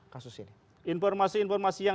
kasus ini informasi informasi yang